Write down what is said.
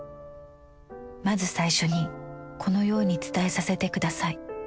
まず最初にこのようにつたえさせてください。